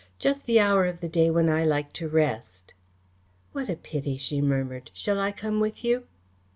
"Just the hour of the day when I like to rest!" "What a pity!" she murmured. "Shall I come with you?"